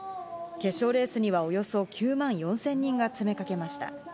決勝レースにはおよそ９万４０００人が詰めかけました。